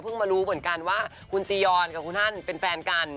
มารู้เหมือนกันว่าคุณจียอนกับคุณฮันเป็นแฟนกัน